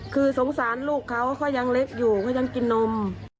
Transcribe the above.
คือสงสารลูกเขาเขายังเล็กอยู่เขายังกินนม